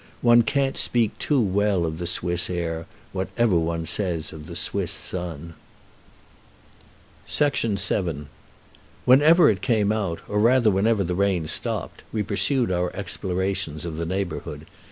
One can't speak too well of the Swiss air, whatever one says of the Swiss sun. [Illustration: Post office, Villeneuve] VII Whenever it came out, or rather whenever the rain stopped, we pursued our explorations of the neighborhood.